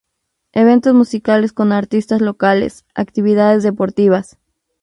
Eventos musicales con artistas locales, actividades deportivas.